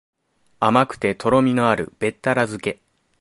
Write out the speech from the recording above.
甘くてとろみのあるべったら漬け